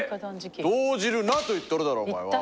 ⁉動じるなと言っとるだろお前は。